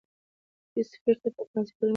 دې سفیر ته په فرانسه کې لمر پاچا ویل کېده.